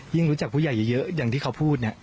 ยิ่งรู้จักผู้ใหญ่เยอะอย่างที่เขาพูด